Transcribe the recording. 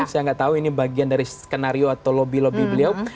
saya nggak tahu ini bagian dari skenario atau lobby lobby beliau